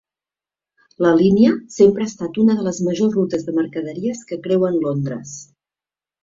La línia sempre ha estat una de les majors rutes de mercaderies que creuen Londres.